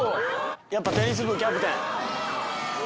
やっぱテニス部キャプテン。